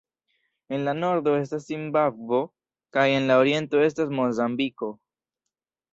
En la nordo estas Zimbabvo, kaj en la oriento estas Mozambiko.